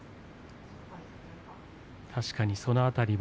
確かにその辺りは。